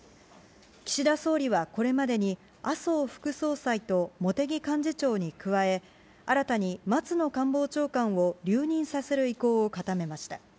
岸田総理はこれまでに、麻生副総裁と茂木幹事長に加え、新たに松野官房長官を留任させる意向を固めました。